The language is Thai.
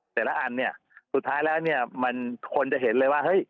แต่ละอันเนี่ยสุดท้ายแล้วเนี่ยมันคนจะเห็นเลยว่าเฮ้ย